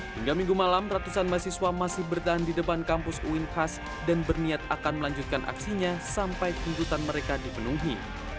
hingga minggu malam ratusan mahasiswa masih bertahan di depan kampus uin khas dan berniat akan melanjutkan aksinya sampai tuntutan mereka dipenuhi